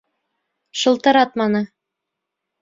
Шылтыратманы!